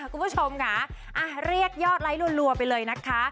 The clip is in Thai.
คุณผู้ชมค่ะเรียกยอดไลค์รัวไปเลยนะคะ